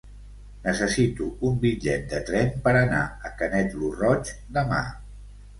Necessito un bitllet de tren per anar a Canet lo Roig demà.